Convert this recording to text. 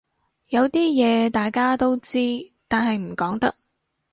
有啲嘢大家都知但係唔講得